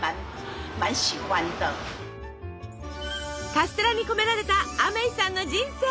カステラに込められたアメイさんの人生。